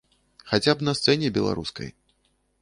Хаця б на сцэне беларускай.